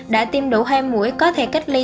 đã tìm đủ hai mũi có thể cách ly